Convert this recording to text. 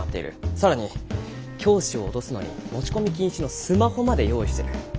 更に教師を脅すのに持ち込み禁止のスマホまで用意してる。